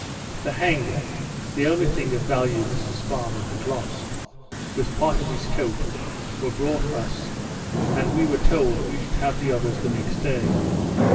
The hanger (the only thing of value Mr Sparrman had lost) with part of his coat, were brought us; and we were told, we should have the others the next day.